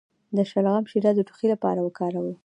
د شلغم شیره د ټوخي لپاره وکاروئ